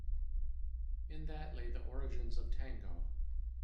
In that lay the origins of tango.